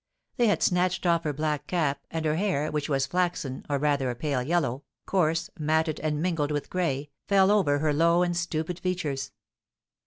They had snatched off her black cap, and her hair, which was flaxen, or rather a pale yellow, coarse, matted, and mingled with gray, fell over her low and stupid features.